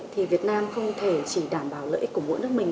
thì việt nam không thể chỉ đảm bảo lợi ích của mỗi nước mình